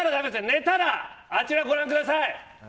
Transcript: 寝たら、あちらご覧ください。